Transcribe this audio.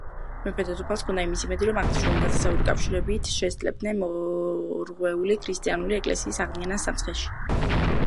მეფე-დედოფალს ჰქონდა იმის იმედი, რომ აღნიშნული ნათესაური კავშირებით შესძლებდნენ მორღვეული ქრისტიანული ეკლესიის აღდგენას სამცხეში.